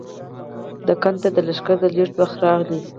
دکن ته د لښکر د لېږد وخت راغی.